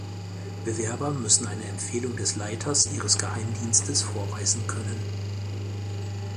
Bewerber müssen eine Empfehlung des Leiters ihres Geheimdienstes vorweisen können.